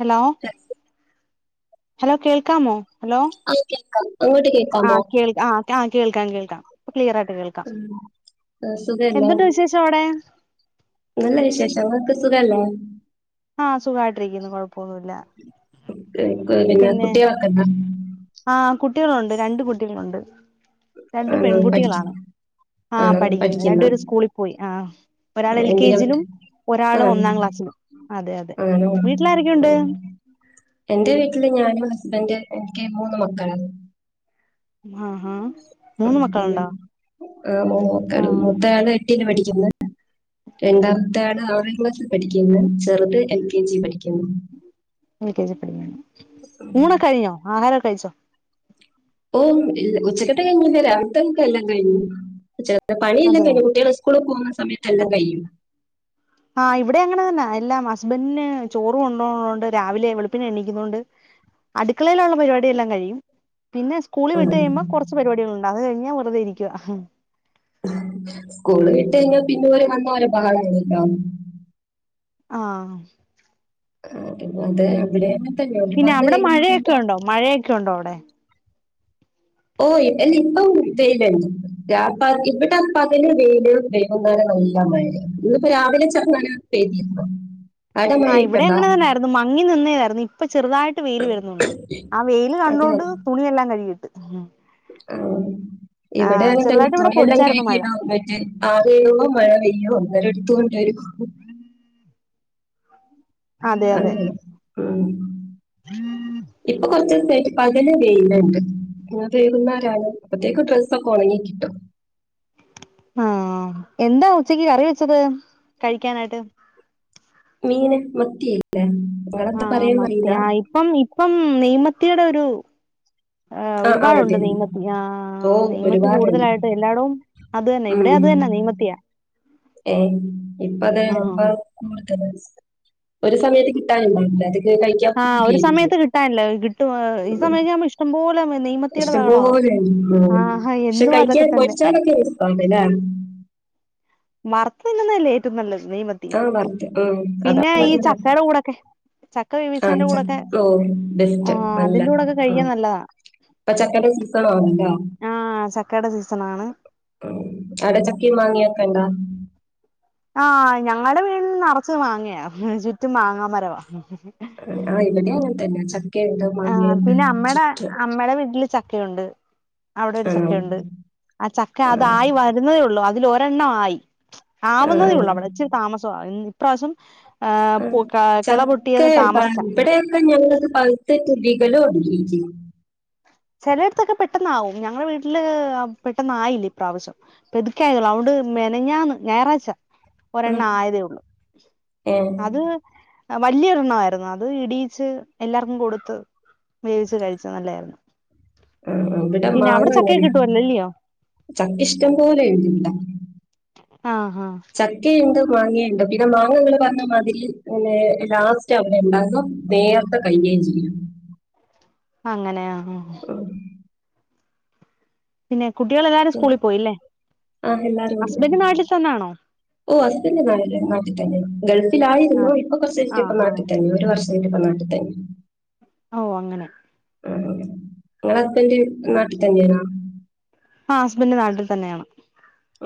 Hello hello കേൾക്കാമോ hello ആയിക്കെക്ക അങ്ങോട്ട് കേക്കാ പോോ ആഹ് കേൾ ആഹ് കേൾക്കാം കേൾക്കാം ക്ലിയർ ആയിട്ട് കേൾക്കാം ഉം. ആ, സുഖല്ലേ എന്തുണ്ട് വിശേഷം അവിടെ നല്ല വിശേഷം നിക്ക് സുഖല്ലേ ആ അ സുഖായിട്ടിരിക്കുന്നു കൊഴപ്പൊന്നുമല്ല ഏ, കു- പിന്നെ കുട്ടികളൊക്കെ എന്താ ആ കുട്ടികളുണ്ട് രണ്ട് കുട്ടികളുണ്ട് [inaudible] [unintelligible] രണ്ട ആണോ പഠിക്ക പെൺകുട്ടികളാണ് ആഹ ആണോ പഠിക്കുന്നത് രണ്ടു പഠിക്കുന്ന പേര സ്കൂളിൽ പോയി ആ ആ, ഒരാൾ എൽ കെ എന്തിനാ ജയിലും ഒരാള് ആ ഒന്നാം ക്ലാസ്സിലും അതെ അതെ ആണോ വീട്ടില ആ. ആാരൊക്കെയുണ്ട് എന്റെ വീട്ടില് ഞാനും ഹസ്ബന്ഡ എനിക്ക് മൂന്ന് മക്കള ആഹ് ഹഹ പിന്നെോക്ക ആഹ് മൂത്താണ് എട്ടിന് പഠിക്ക രണ്ടാമത്തെ ആട് ആ ക്ലാസ്സിൽ പഠിക്കുന്നത് ചെറുത് എം കെ ജി പഠിക്കുന്നു കജി പഠിക്ക ഉം. ഊന കഴിയും ആഹാര കഴച്ചോ ഓ ഉച്ചക്കെട്ട കഴഞ്ഞില്ല രാവത്തത്തെക്കെ എല്ലാം കഴു അ പണ ഇല്ല അതെ ക കുട്ടികള സ്കൂിൽ പോക സമയത്തെല്ലാംകയിയും ആഹ് ഇവിടെ അങ്ങനെതന്നാ എല്ലാം ഹസ്ബന്റ്ന് ചോറ് കൊണ്ടോണോണ്ട് രാവിലെ വെളുപ്പിനെണീക്കുന്നോണ്ട് അടുക്കളയിലുള്ള പരിപാടിയെല്ലാം കഴിയും പിന്ന സ്കൂളി ഉം. വിട്ട്കഴിയുമ്പോ കുറച്ച് പരിപാടികളുണ്ട് അത്കഴിഞ്ഞ വെറുതെയിരിക്കുക അഹ്മ് സ്കൂള് വിട്ട്കഴിഞ്ഞ പിന്നോര് വന്നലൊരു പാടണ്ട്ട്ടാ ആഹ്മ് ആ [inaudible] പിന്നെ അവിടെ കഴിഞ്ഞാൽ പിന്നെ മഴയൊക്കെയൊണ്ടോ മഴയൊക്കെയൊണ്ടോ അവിടെ ഓ അല്ലിപ്പം വെയിലണ്ട് [unintelligible] ഇവിടെ പകല് വെയില് വൈകുന്നേരം നല്ലമഴയും ഇന്നിപ്പോ രാവിലെ ചെറ്ക്കനെ പെയ്തിരുന്നു അവിടെ ആഹ് മഴയൊക്കെ ഇവിടെ ഉണ്ടോ അങ്ങനെതന്നായിരുന്നു മങ്ങി നിന്നേതായിരുന്നു ഇപ്പൊ ചെറുതായിട്ട് വെയില് വരുന്നുണ്ട് ആ വെയിയില് കണ്ടോണ്ട് തുണിയെല്ലാം കഴുകിയിട്ട് ആഹ് ആ ഇവിടേങ്ങനെതന്നെ ചെറുതായിട്ട് ഇവിടെ തുണിയെല്ലാം പൊടിച്ചായിരുന്നു മഴ കഴുകിയിടാൻ [unintelligible] ആറെയോ മഴപെയ്യോ അന്നേരം എടുത്തോണ്ട്വരും അതെ അതെ അങ്ങനെ ഉം ഇപ്പൊക്കൊറച് പകല് വെയിലണ്ട് [inaudible] അപ്പത്തേക്ക് ഡ്രസ്സൊക്കൊണങ്ങിക്കിട്ടും ആഹ് എന്താഉച്ചക്ക് കറിവെച്ചത് കഴിക്കാനായിട്ട് മീന് മത്തിയില്ലേ നിങ്ങളെന്താ ആഹ് പറയാന്ന് അറിയില്ല മത്തിയാ ഇപ്പം മി ഇപ്പം നെയ്മത്തിയുടൊരു ആ-ആ അങ്ങനത്തെയന്നെ ഓ നെയ്മത്തി ഒരുപാടണ്ട് കൂടുതലായിട്ട് എല്ലായിടവും അത് തന്നെ ഇവിടെ അത് ഉം തന്നെ നെയ്മത്തിയാ ഏ ഇപ്പത് ആ ഇപ്പ കൂടുതലാ ഒരുസമയത്ത് കിട്ടാന്ണ്ടാവില്ലാത് ആഹ് ഒരുസമയത്ത് കിട്ടാനില്ല കിട്ടും ഈ സമയോക്കെയാവുമ്പോ ഇഷ്ടംപോലെ നെയ്മത്തിയുടെ ബഹളാ ഇഷ്ടംപോലെ ആഹാ പക്ഷെ എന്നും അതൊക്കെ കഴിക്കാൻ തന്നെ പൊരിച്ചാലൊക്കെ ഉസ്‌പ്പാവുണ്ട് ലെ വർത്ത്തിന്നുന്നതല്ലേ ഏറ്റവുംനല്ലത് ആഹ് വറ്ത്ത് ഉം അതാ [inaudible] ഈ ചക്കയുടെ കൂടൊക്കെ ചക്ക ആ വേവിച്ചതിന്റെ കൂടൊക്കെ ചക്ക ഓ ആ ഡേറ്റ് നല്ല അതിന്റെ കൂടൊക്കെ ഉം കഴിക്കാൻ നല്ലതാ പ്പച്ചക്കെടെ സീസണാണ് ട്ടാ ആ ചക്കയുടെ സീസണാണ് അടച്ചക്കയുംമാങ്ങയും ഒക്കെണ്ടാ ഉം ആഹ് ഞങ്ങടെവീട് നറച്ച് മാങ്ങയാ ചുറ്റും മാങ്ങാമരമാ ആ ഇവടെയുംങ്ങനെതന്നെ ആഹ് പിന്നെ അമ്മേടെ അമ്മെടെവീട്ടില് ചക്കയുണ്ട് അവിടൊരു ആണോ ചക്കയുണ്ട് ആ ചക്ക ആ അതായി വരുന്നതേയുള്ളൂ അതിൽ ഒരെണ്ണം ണായി [unintelligible] ആ ആ ആവുന്നതേയുള്ളൂ അവിടെ ഇച്ചിരി താമസവാ ഇപ്രാശ്യം അഹ് ചക്കഇടാണ്ട് താമസിച്ചാ ഇബെട്യോയക്കെ ഞങ്ങള് പഹ് [unintelligible] ചെലയിട്ത്തൊക്കെ പെട്ടെന്ന് ആവും ഞങ്ങളെ വീട്ടില് പെട്ടെന്നായില്ല ഇ പ്രാവശ്യം പെത്ക്കെ ള [unintelligible] ണ്ട് മെനഞ്ഞാന്ന് ഞായറാഴ്ച ഉം ഒരെണ്ണം ആയതേ ഒള്ളൂ ഏ അത് വല്ല്യ ഒരണ്ണായിരുന്നു അത് ഇടീച്ച് എല്ലാർക്കും കൊടുത്ത് വേവിച്ച് കഴിച്ച നല്ലേയിരുന്നു അഹ് അഹ് ഇവടെ മാങ്ങങ്ങനെയ കിട്ടുവല്ലോ ഇല്ലയോ ചക്ക ഇഷ്ടം പോലെ ഇടാ ആഹ് ആഹ് ചക്ക യുണ്ട് മാങ്ങീണ്ട് പിന്നെ മാങ്ങ ഇങ്ങനെ [unintelligible] ഇ ലെ ലാസ്റ്റ് അവിടെ ഇണ്ടാക്കും നേര്ത്ത് [unintelligible] [unintelligible] അങ്ങനാ ഉം പിന്നെ കുട്ടികളെല്ലാരും സ്കൂളിൽ പോയില്ലേ ആഹ് എല്ലാരും ഉണ്ട് ഹസ്ബൻഡ് നാട്ടിൽ തന്നാണോ ഓ ഹസ്ബൻഡ് നാട്ടിലെനെ നാട്ടി തന്നെ ഗൾഫിൽ ആയിരുന്നു ആഹ് ഇപ്പൊ കൊറ്ചായിട്ട് ഇപ്പം ആഹ് നാട്ടിത്തന്നെ ഒരു വർഷ [unintelligible] ഓ അങ്ങനെ ആ ഇങ്ങള ഹസ്ബൻഡറ് നാട്ടിൽ തന്നേണൊ ആഹ് ഹസ്ബൻഡന്റ് നാട്ടിൽ തന്നെയാണ്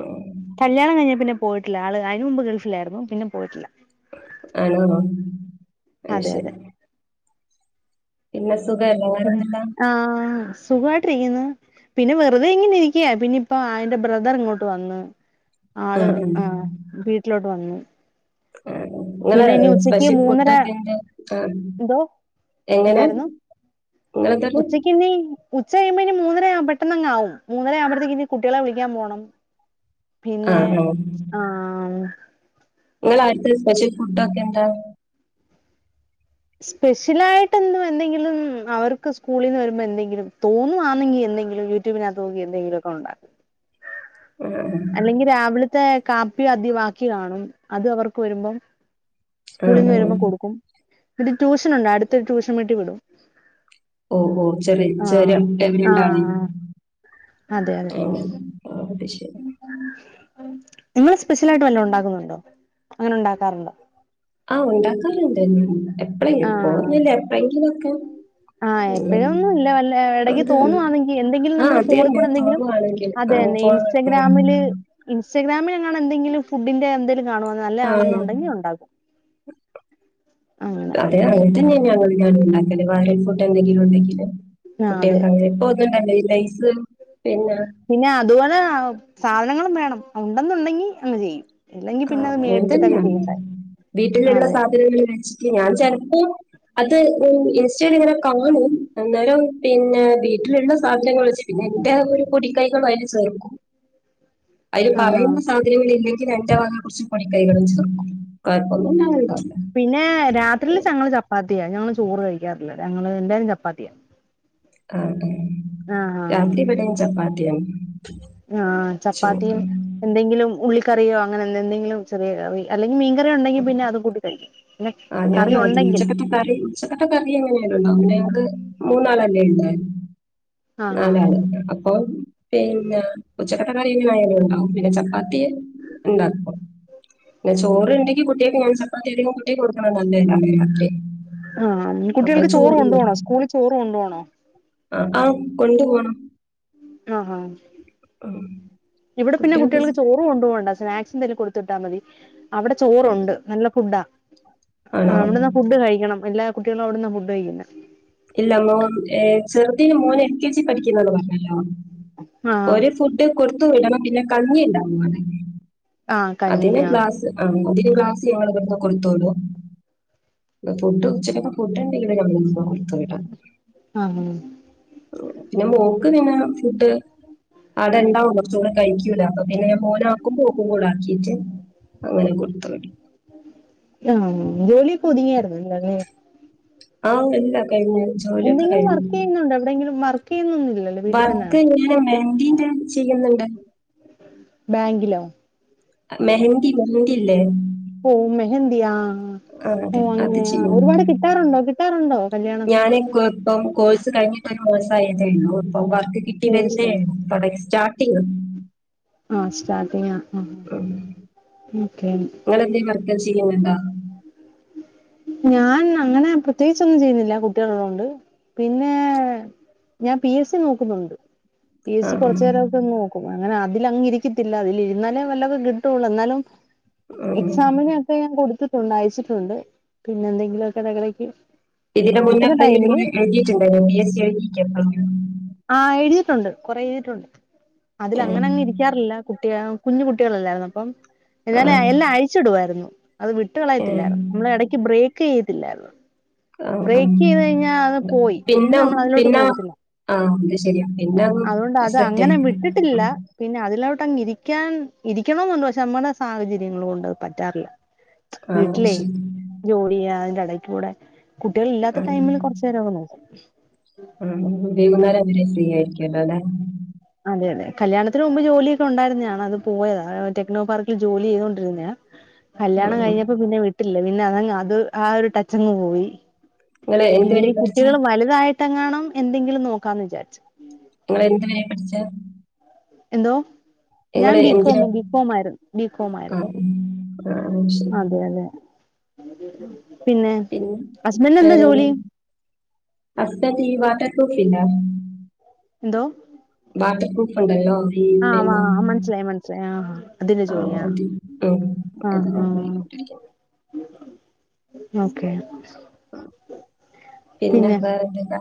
ഉം. കല്യാണം കഴിഞ്ഞ പിന്നെ പോയിട്ടില്ല ആള് അയിന് മുമ്പ് ഗൾഫിലായിരുന്നു പിന്നെ പോയിട്ടില്ല ആണ്ന്നോ അയ് അതെ ശരി അതെ പിന്നെ സ് സുഖല്ലെ വേറെപ്പെന്താ സുഖവായിട്ടിരിക്കുന്നു പിന്നെ വെറുതെ ഇങ്ങനെ ഇരിക്കാ പിന്നെ ഇപ്പ ആ ഇന്റെ ബ്രദർ ഇങ്ങോട്ട് വന്ന് ആള് ആഹ് ആ വീട്ടിലോട്ട് വന്ന് ആ ഇങ്ങൾ ഉച്ചക്ക് സ്പെഷ്യൽ മൂന്നര ഫുഡൊക്കെ ഇണ്ട് ആ എന്തോ എങ്ങനെ എന്തായിരുന്നു ഉങ്ങെന്താ പർണെ ഉച്ചക്ക് ഇനി ഉച്ച കഴിയുമ്പോ ഇനി മൂന്നരയാവും പെട്ടെന്നങ്ങ് ആവും മൂന്നര ആവുമ്പഴ്ത്തെക്ക് ഇനി കുട്ടിയെളെ വിളിക്കാൻ പോണം പിന്നെ ആണോ ആഹ് ഇങ്ങളെ അട്ത്തെ സ്പെഷ്യൽ ഫുഡൊക്കെ എന്താ സ്പെഷ്യലായിട്ട് എന്തും എന്തെങ്കിലും അവർക്ക് സ്കൂളീന്ന് വരുമ്പോ എന്തെങ്കിലും തോന്നുവാന്നെങ്കി എന്തെങ്കിലും യൂട്യൂബിനകത്ത് നോക്കി എന്തെങ്കിലും ഒക്കെ ഒണ്ടാക്കും ആ അല്ലെങ്കി രാവിലത്തെ കാപ്പി അദി ബാക്കി കാണും അത് അവർ ക്കു വെരുമ്പം ആ സ്കൂളിന്ന് ആ വെരുമ്പം കൊട്ക്കും ഇവടെ ട്യൂഷൻ ഉണ്ട് അട്ത്തൊരു ട്യൂഷൻ വീട്ടി വിടും ഓ ഓ ചെറി ആഹ് [unintelligible] എവിടെണ്ടാണെ ആഹ് അതെ അതെ ശരി ഇങ്ങൾ സ്പെഷ്യൽ ആയിട്ട് വല്ലോം ഉണ്ടാകുന്നു ണ്ടോ അങ്ങനെ ഉണ്ടാക്കാറുണ്ടോ ആ ഉണ്ടാക്കാർണ്ട് എപ്പളെങ്കിലും ആഹ് എപ്പൊയൊന്നില്ല എപ്പഴെങ്കിലും ഒക്കെ ആഹ് [unintelligible] എപ്പോഴൊന്നും ഇല്ല വല്ല ഇടയ്ക്ക് അതെന്നെ തോന്നുവാണെങ്കിൽ എന്തെങ്കിലും ആ നമ്മൾ ഫോണിൽ അതെന്നെ കൂടെ എന്തെങ്കിലും തോന്നുവാണെങ്കിൽ അതെ ആ തന്നെ ഫോൺ [unintelligible] ആണ് എന്തെിലും ഫുഡിന്റെ എന്തെ കാണുവാന്നെ ആ നല്ലയാണെന്നുണ്ടെങ്കി ഒണ്ടാകും അങ്ങനെ തെ അങ്ങൻ തെന്നെ ഞാനും ഞാനും ഉണ്ടാക്കൽ [unintelligible] ഫുഡ് എന്തെങ്കിലും ഉണ്ടെങ്കിൽ ആഹ് അതെ കുട്ടികൾക്ക് അങ്ങനെ ഇപ്പൊ ഒന്നും ഇണ്ടാക്കൽ ഇല്ല ലൈസ് പിന്നെ പിന്നെ അതുപോലെ സാധനങ്ങളും വേണം ഉണ്ടെന്നുണ്ടെങ്കി അങ്ങ് ചെയ്യും ഇല്ലെങ്കി ആ പിന്നെ അത് അങ്ങന മേടിച്ചിട്ടൊക്കെ തന്നെയാൺ ചെയ്യണ്ടേ വീട്ടിൽ ഉള്ള അതെ സാധനങ്ങൾ വെച്ചിട്ട് ഞാൻ ചെൽപ്പോ അത് ഇൻസ്റ്റെൽ ഇങ്ങനെ കാണും അന്നേരം പിന്നെ വീട്ടിലുള്ള സാധനങ്ങൾ വെച്ച് പിന്നെ ഇന്റെ ഒര് പൊടിക്കൈകളും അയിൽ ചേർക്കും അയിൽ ആഹാ പറയുന്ന സാധനങ്ങൾ ഇല്ലെങ്കിൽ അയി ച്ച് പൊടി കൈകളും ചേർക്കും [unintelligible] ഞാ അങ്ങനെ ഇണ്ടാ പിന്നെ രാത്രിൽ ചഞങ്ങൾ ചപ്പാതി ചത്തിയാ ഞങ്ങള്ൾ ചോറ് കഴിക്കാറില്ല ഞങ്ങള്ൾ എന്തായും ചപ്പാത്തിയ ആത ആഹ ആഹ ആഹ ചോറ് ചപ്പാത്തിയും എന്തെങ്കിലും ഉള്ള കറിയോ അങ്ങനെ എന്തെങ്കിലും ചെറിയ കറി അല്ലങ്കിൽ മീൻറി ഉണ്ടെങ്ക പിന്നെ അത് കൂട്ട കഴിക്കും പിന്നെ ആ് കറി ഞാനാ ഉണ്ടെങ്കിൽ ഉച്ചക്കട്ടെ കറി ഉച്ചക്കട്ടെ കറി എങ്ങനെയണ്ടോ അടെക്ക് മൂന്നാാലല്ലേ ഉണ്ട ആഹാ അതെതെ അപ്പൊ പിന്നെ ഉച്ചക്കട്ടക്കറി ഇങ്ങനെ ആയാലും ഉണ്ടാവും പിന്നെ ചപ്പാത്തി ഉണ്ടാക്കും പിന്നെ ചോറ ഉണ്ടെങ്കി കുട്ടികക്ക് ഞാൻ ചപ്പാത്തി അധികം കൊടുക്കണ നന്ദായി രാരി ആഹ കുട്ടികൾക്ക് ചോറ് കൊുപ പോകണോ സ്കൂളിൽ ചോറ് കൊണ്ടുപോകണോ ആ ആ കൊണ്ടു പോോണം ആഹഹ ആഹ ഇവിടെ പിന്നെ കുട്ടികൾക്ക് ചോറ് കൊണ്ടു പോോണ്ട സ്നാക്സിും തന്നെ കൊടുത്തട്ടാൽ മതി അവിടെ ചോറുണ്ട് നല്ല ഫുഡാ ആണോ ആഹ് അവിടന്ന ഫുഡ് കഴിക്കണം എല്ലാ കുട്ടികൾ അവിടന്ന ഫുഡ് കഴിക്കുന്നേ ഇല്ല മോൻ ഏഹ് ചെറുത് മോന് എൽ കെ ജി പഠിക്കുന്നന്ന് പറഞ്ഞല്ലോ ആഹ് ഓന് ഫുഡ് കൊടുത്ത് വിടണം പിന്നെ കഞ്ഞി ഉണ്ടാവും ആഹ് അതിന് കഞ്ഞിയാ ക്ലാസ് ആഹ് അതിന് ക്ലാസിന്ന് ഓരൊക്കെ കൊടുത്തോളും പിന്നെ ഫുഡ് ഉച്ചക്കത്തെ ഫുഡ് [unintelligible] ആഹ് പിന്നെ മോക്ക് പിന്നെ ഫുഡ് ആടെ ഉണ്ടാവും പക്ഷേ ഇവള് കഴിക്കൂല അപ്പൊ പിന്നെ ഞാൻ മോന് ആക്കുമ്പോ ഓൾക്കും കൂടെ ആകും ക്കീട്ട് അങ്ങനെ കൊടുത്തപടി ആഹ് ജോലി [unintelligible] ആഹ് [unintelligible] ജോലിയൊക്കെ എന്തെങ്കിലും കഴിഞ്ഞു വർക്ക് ചെയ്യുന്നുണ്ടോ എവിടെയെങ്കിലും വർക്ക് ചെയ്യുന്ന ഒന്നുമല്ലല്ലോ വീട്ടിൽ തന്നെയാണ് ഈൻ്റെ ബാങ്കിലോ മെഹന്തി മെഹന്തില്ലേ ഓഹ് മെഹന്തി ആഹ് ആഹ് ആഹ് അതെ ഓഹ് അത് അങ്ങനെയാ ചെയ്യുന്നുണ്ട് ഒരുപാട് കിട്ടാറുണ്ടോ കിട്ടാറുണ്ടോ കല്യാണ സമയത്ത് മാസായതെ ഇള്ളു ഇപ്പൊ വർ ക്കക്ക കിട്ടി വരുന്നെ കോഴ്സോ ഇള്ളു തൊടങ്ങി സ്റ്റാർ ട്ടെയ്തു. ആഹ് സ്റ്റാർട്ടിങ്ങാ ആഹ് മ് നിങ്ങെളെന്തേലും വർക്ക് ചെയ്യുന്നുണ്ടോ ഞാൻ അങ്ങനെ പ്രത്യേകിച്ചൊന്നും ചെയ്യുന്നില്ല കുട്ടികള് ഒള്ളോണ്ട് പിന്നെ ഞാൻ പി എസ് സി നോക്കുന്നുണ്ട് പി എസ് സി ആഹ് കുറച്ച് നേരം ഒക്കെ നോക്കും അങ്ങനെ അതിലങ്ങിരിക്കത്തില്ല ഇതിലിരുന്നാലേ വല്ലതും കിട്ടുള്ളൂ എന്നാലും ആഹ് ഉം എക്സാമിനൊക്കെ ഞാൻ കൊടുത്തിട്ടുണ്ട് അയച്ചിട്ടുണ്ട് പിന്നെ എന്തെങ്കിലും ഒക്കെ ടകടക്ക് ഇതിന്റെ മുന്നെപ്പളെങ്കിലും ഇതൊന്ന് എഴുതിട്ടുണ്ടായിന്നോ പി എസ് സി എഴുതീട്ടുണ്ടോ ആ എഴുതിയിട്ടുണ്ട് കുറേ എഴുതിട്ടുണ്ട് അതില് അങ്ങനെ അങ്ങ് ഏഹ് ഇരിക്കാറില്ല കു കുട്ടിയാം കുഞ്ഞു കുട്ടികളല്ലായിരുന്നോ അപ്പം എന്നാല് ആഹ് എല്ലാ അഴിച്ചിടുവായിരുന്നു അത് ഏഹ് വിട്ടുകളളയത്തില്ലായിരുന്നു നമ്മള് ഇടയ്ക്ക് ബ്രേക്ക് ക്കെയ്തില്ലായിരുന്നു ആഹ് ആഹ് പോയി പിന്നെ നമ്മൾ അതിലോട്ട് പിന്നെ നോക്കത്തില്ല ആഹ് ശരിയാ പിന്നെ അതുകൊണ്ട് അത് അങ്ങനെ സെറ്റായി വിട്ടിട്ടില്ല ഉം പിന്നെ അതിലോട് ങ്ങ് ഇരിക്കാൻ ഇരിക്കണന്നുണ്ട് പക്ഷെ നമ്മുടെ സാഹചര്യങ്ങളൊണ്ടത് പറ്റാറില്ല ആഹ് വീട്ടിലേ ശരി ജോലിയാ ഇടയ്ക്കുടെ കുട്ടികളില്ലാത്ത ആഹ് ടൈമില് കുറച്ചു നേരോക്ക നോക്കും ര് ഫ്രീ ആയിരിക്കല്ലോല്ലെ അതെ അതെ കല്യാണത്തിന് മുമ്പ് ജോലിയൊക്കെ ഉണ്ടായിരുന്നതാണ് അത് പോയതാ ടെക്നോ പാർക്കിൽ ജോലി ചെയ്തൊണ്ടിരുന്നയാ കല്യാണം ഉം ഉം കഴിഞ്ഞപ്പോ പിന്നെ വിട്ടില്ല പിന്നെ അതങ്ങ് അത് ആഹ് ഒരു ടച്ചങ്ങ് പോയി നിങ്ങള് എന്ത് പിന്ന വരെ ഇനി പഠിച്ചെ കുട്ടികൾ വലുതായ ട്ടങ്ങാണം എന്തെങ്കിലും നോക്കാന്ന് വിചാരിച്ചു നിങ്ങള് എന്ത് വരെ പഠിച്ച എന്തോ ഞാൻ ബികോം ബികോം ആരുന്നു ബികോം ആയിരുന്നു ആഹ ശരി ആ പിന്നെ ഹസ്ബൻഡ് എന്താ ജോലി അസ ഈ വാട്ടർപൂഫ് ഇല്ല ഇന്തോ വാട്ടർപ്രൂഫ്യൂണ്ടല്ലോ ആഹ ആ മനസ്സിലായി മനസ്സിലായി ആഹ അതിന്റെ ആഹ് ജോലിയ അത് ഉം അതിനാ ആഹ പോയിക്കൊണ്ടിരിക്കുന്നത്. ഓക്കെ പിന്നെ വേറെന്തല്ലാ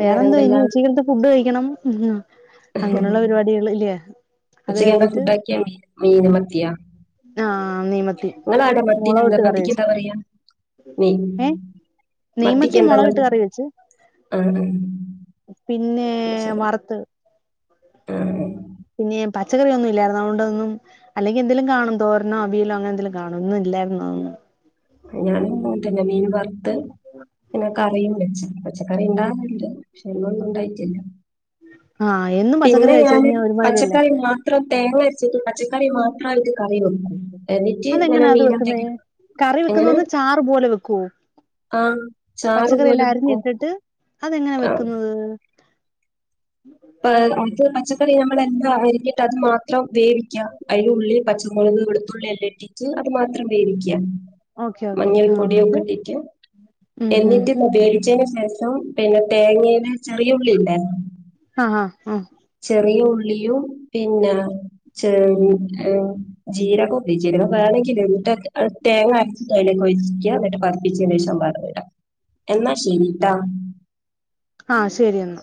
വേറെന്തോ ഇനി വേറെന്തല്ലാ ഉച്ചക്കനത്തെ ഫുഡ് കഴിക്കണം ഉ അങ്ങനെയുള്ള പരിപാടികൾ ഇല്ലേ അത് കഴിഞ്ഞിട്ട് മീൻ മത്തിയാ ആഹ നെയ്മത്തി നിങ്ങളാടെ മുളക മത്തിനെന്താ ഇട്ട് കറി വെച്ച മത്തിക്കെന്താ പറയാ മീ ഏ നെയ്മത്തി മത്തിക്കെന്താ മുളക ഇട്ട നിങ്ങള് കറി വെച്ച ആ ആ പിന്നെ അത് ശരി വറുത്ത് ആ പിന്നെ പച്ചക്കറിയൊന്നും ഇല്ലായിരുന്നതൊണ്ടൊന്നും അല്ലെങ്കി എന്തെങ്കലും കാണും തോരനോ അവിയലോ അങ്ങനെ എന്തെങ്കിലും കാണോ ഒും ഇല്ലായിരുന്നൊന്നും ഞാങ്ങന്നെീ വെറുത്ത് പിന്നെ കറിയും വെച്ചി കറിയെന്താ ഇന്നോന്നും ഒണ്ടായിട്ടില്ല ആ എന്നും പച്ചക്കറി പിന്നെ കഴിച്ച് ഞാന് കഴിഞ്ഞാ ഒരുമാതിരിയല്ലേ പച്ചക്കറി മാത്രം തേങ്ങ പച്ചക്കറി മാത്രമായിട്ട് കറി വെക്കും എന്നിട്ട് അത് ഇങ്ങനെ എങ്ങനാ അത് മീൻ വെക്ക്ന്നെ എന്തെങ്കിലും കറി വെ ന്ന് ചാറ് പോലെ വെക്കോ [inaudible] ആാ ചാറ് പോലെ വേക്കും അത് എങ്ങനാ വെക്ക്ന്നത് പ അത് പച്ചക്കറി ഞമ്മള് എന്താരിക്കും അത് മാത്രം വേവിക്ക്യാ അയില് ഉള്ളി, പച്ചമുളക്, വൊള തുള്ളിയെല്ലാം ഇട്ടിട്ട് അത് മാത്രം വേവിക്ക്യാ ഓക്കെ ഓക്കെ മഞ്ഞൾ ആ എന്നിട്ട് പൊടിയൊക്കെ ഇട്ടിട്ട് ഉം ഉം എന്നിട്ട് ഉപയോഗിച്ചേന് [unintelligible] പിന്നെ തേങ്ങേനെ ചെറിയ ഉള്ളില്ലെ ആ ആ ആ ചെറിയ ഉള്ളിയും പിന്നെ ചെ ജീരകം ജീരകം വേണങ്കില് എന്നിട്ട് ആ തേങ്ങ അരച്ചി അലേക്ക് ഒഴിക്ക്യാ എന്നിട്ട് [unintelligible] ശേഷം വറവ് ഇടാ എന്നാ ശെരിട്ടാ ആ ശെരി എന്നാ